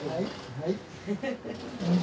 はい。